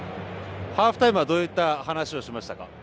ハーフタイムはどういった話をしましたか？